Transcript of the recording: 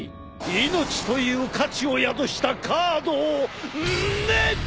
命という価値を宿したカードをねっ！